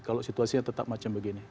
kalau situasinya tetap macam begini